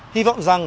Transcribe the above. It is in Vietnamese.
hy vọng rằng